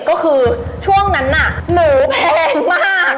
ก็คือช่วงนั้นน่ะหนูแพงมาก